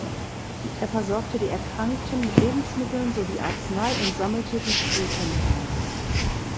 Er versorgte die Erkrankten mit Lebensmitteln sowie Arznei und sammelte die Toten ein.